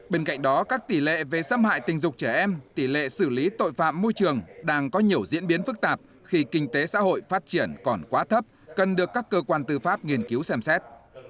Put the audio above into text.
bên cạnh đó các tỷ lệ về xâm hại tình dục trẻ em tỷ lệ xử lý tội phạm môi trường đang có nhiều diễn biến phức tạp khi kinh tế xã hội phát triển còn quá thấp cần được các cơ quan tư pháp nghiên cứu xem xét